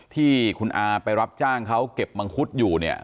ที่คุณอาไปรับจ้างเขาเก็บมังคุดอยู่เนี่ย